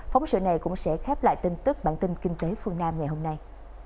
phóng sự này cũng sẽ khép lại tin tức bản tin kinh tế phương nam ngày hôm nay